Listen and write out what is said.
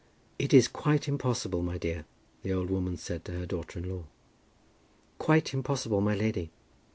"It is quite impossible, my dear," the old woman said to her daughter in law. "Quite impossible, my lady."